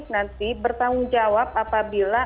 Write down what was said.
nanti bertanggung jawab apabila